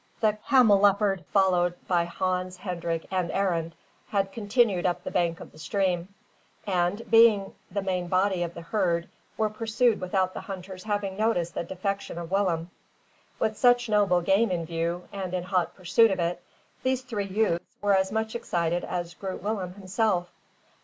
The camelopards followed by Hans, Hendrik, and Arend had continued up the bank of the stream; and, being the main body of the herd, were pursued without the hunters having noticed the defection of Willem. With such noble game in view, and in hot pursuit of it, these three youths were as much excited as Groot Willem himself.